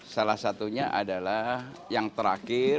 salah satunya adalah yang terakhir